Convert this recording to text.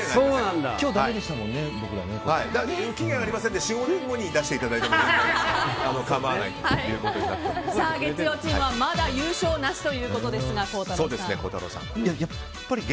今日、だめでしたもんね、僕ら。期限はありませんので４５年後に出していただいても月曜チームはまだ優勝なしということですが、孝太郎さん。